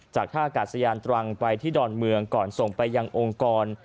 จากท่ากาศยานตรังไปที่ดอนเมืองก่อนส่งไปยังองค์กร